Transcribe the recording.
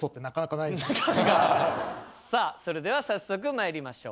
さあそれでは早速まいりましょう。